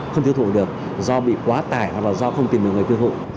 không tiêu thủ được do bị quá tải hoặc là do không tìm được người tiêu thụ